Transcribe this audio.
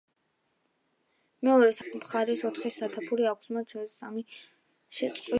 მეორე სართულს სხვადასხვა მხარეს ოთხი სათოფური აქვს, მათ შორის სამი შეწყვილებულია.